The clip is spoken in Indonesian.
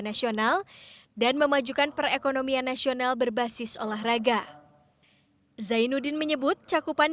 nasional dan memajukan perekonomian nasional berbasis olahraga zainuddin menyebut cakupan